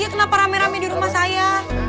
kenapa rame rame di rumah saya